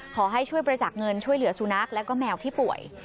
ขอให้ช่วยบริจาคเงินช่วยเหลือสุนัขแล้วก็แมวที่ป่วย